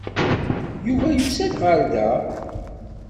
Yuba yusa-d ɣer da.